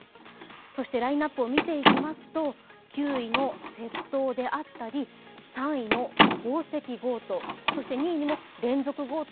そしてラインナップを見ていきますと、９位の窃盗であったり３位の宝石強盗、そして２位にも連続強盗。